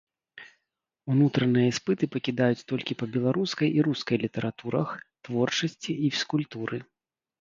Унутраныя іспыты пакідаюць толькі па беларускай і рускай літаратурах, творчасці і фізкультуры.